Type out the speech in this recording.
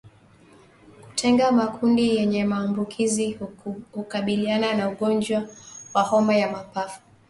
Kutenga makundi yenye maambukizi hukabiliana na ugonjwa wa homa ya mapafu